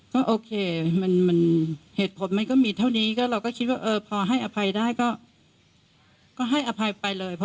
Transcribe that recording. ก็โอเคเหตุผลมันก็มีเท่านี้ก็เราก็คิดว่าพอให้อภัยได้ก็ให้อภัยไปเลย